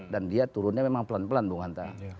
dan dia turunnya memang pelan pelan bung hanta